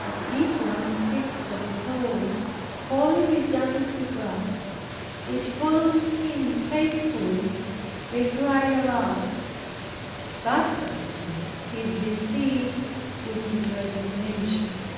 But if one speaks of a soul wholly resigned to God, which follows him faithfully, they cry aloud, "That person is deceived with his resignation."